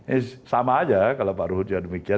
ini sama aja kalau pak luhut jangan demikian